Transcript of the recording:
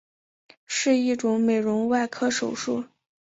是一种美容外科手术。